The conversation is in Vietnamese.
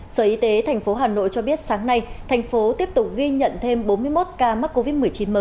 sở y tế tp hà nội cho biết sáng nay thành phố tiếp tục ghi nhận thêm bốn mươi một ca mắc covid một mươi chín mới